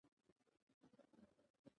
د ایټم مرکزي برخه نیوکلیس نومېږي.